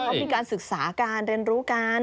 เขามีการศึกษาการเรียนรู้กัน